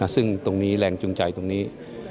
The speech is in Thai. ซึ่งตรงนี้แรงจูงใจตรงนี้